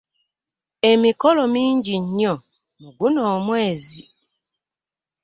Emikolo mingi nnyo mu guno omwezi.